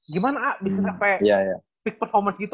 gimana bisa sampe peak performance gitu